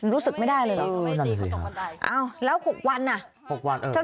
รู้สึกไม่ได้เลย